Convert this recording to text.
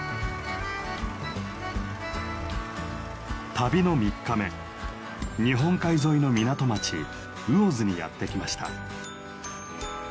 旅の３日目日本海沿いの港町魚津にやって来ました。